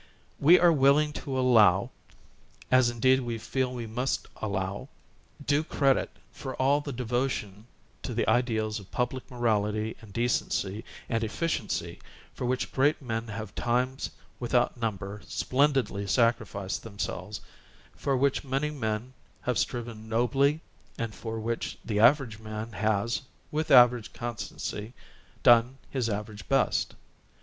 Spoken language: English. We are willing to allow, as indeed we feel we must al low, due credit for all the devotion to the ideals of public morality and decency and efficiency for which great men have times without number splendidly sacrificed them selves, for which many men have striven nobly and for which the average man has, w^ith average constancy, done his average best.